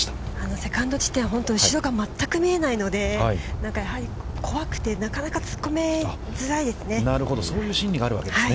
◆セカンド地点後ろが全く見えないので怖くて、なかなか突っ込みづらいですね。